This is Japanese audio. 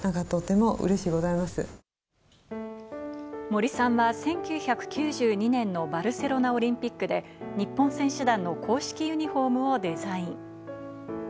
森さんは１９９２年のバルセロナオリンピックで日本選手団の公式ユニホームをデザイン。